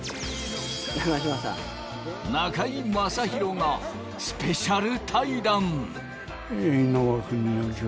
中居正広がスペシャル対談。